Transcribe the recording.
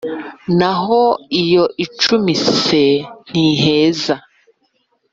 na ho iyo i cu m ise ntiheza.